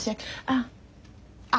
ああ！